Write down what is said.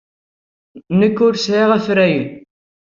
Nekk ur sɛiɣ afrayen.